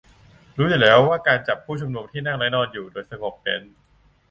รู้อยู่แล้วว่าการจับผู้ชุมนุมที่นั่งและนอนอยู่โดยสงบเป็น